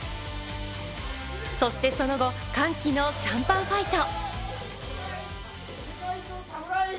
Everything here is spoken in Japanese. そしてその後、歓喜のシャンパンファイト。